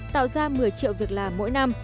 tạo ra một mươi triệu việc làm mỗi năm